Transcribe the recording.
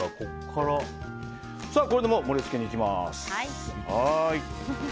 これでもう盛りつけにいきます。